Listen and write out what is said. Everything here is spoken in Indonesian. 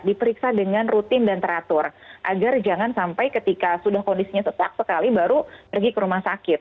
diperiksa dengan rutin dan teratur agar jangan sampai ketika sudah kondisinya sesak sekali baru pergi ke rumah sakit